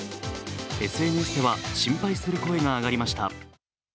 ＳＮＳでは心配する声が上がりました